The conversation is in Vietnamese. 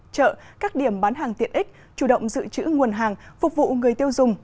chợ các điểm bán hàng tiện ích chủ động giữ chữ nguồn hàng phục vụ người tiêu dùng